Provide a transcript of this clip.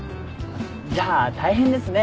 じゃあ大変ですね